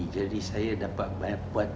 jadi saya dapat membuat